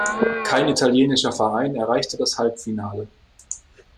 Kein italienischer Verein erreichte das Halbfinale.